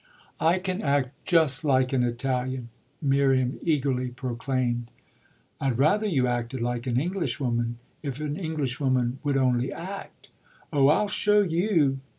"I can act just like an Italian," Miriam eagerly proclaimed. "I'd rather you acted like an Englishwoman if an Englishwoman would only act." "Oh, I'll show you!"